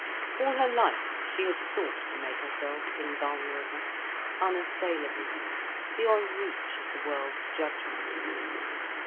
All her life, she had sought to make herself invulnerable, unassailable, beyond reach of the world's judgment.